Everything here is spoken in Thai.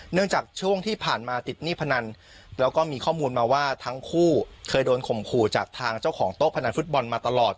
จากช่วงที่ผ่านมาติดหนี้พนันแล้วก็มีข้อมูลมาว่าทั้งคู่เคยโดนข่มขู่จากทางเจ้าของโต๊ะพนันฟุตบอลมาตลอด